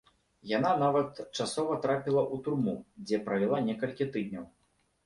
Яна нават часова трапіла ў турму, дзе правяла некалькі тыдняў.